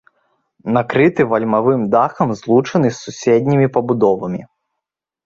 Накрыты вальмавым дахам, злучаны з суседнімі пабудовамі.